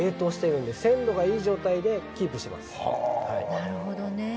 なるほどね。